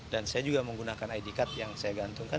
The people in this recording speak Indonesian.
dan saya juga menggunakan id card yang saya gantungkan